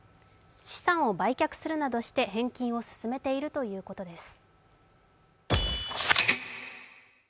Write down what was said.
資産を売却するなどして返金を進めているということです。